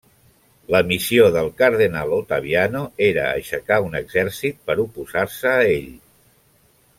La missió del cardenal Ottaviano era aixecar un exèrcit per oposar-se a ell.